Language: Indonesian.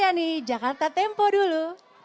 langsung saja nih jakarta tempo dulu